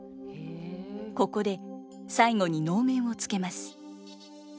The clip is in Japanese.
ここで最後に能面をつけます。